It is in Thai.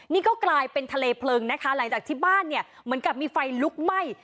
นี่ก็กลายเป็นทะเลเพลิงนะคะหลังจากที่บ้านเนี่ยเหมือนกับมีไฟลุกไหม้